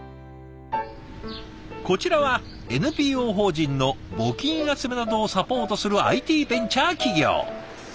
こちらはＮＰＯ法人の募金集めなどをサポートするＩＴベンチャー企業。